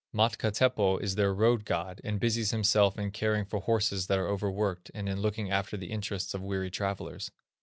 Matka Teppo is their road god, and busies himself in caring for horses that are over worked, and in looking after the interests of weary travellers.